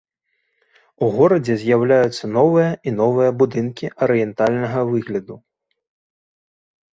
У горадзе з'яўляюцца новыя і новыя будынкі арыентальнага выгляду.